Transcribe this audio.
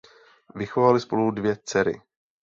Vychovali spolu dvě dcery.